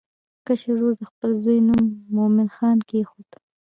کشر ورور د خپل زوی نوم مومن خان کېښود.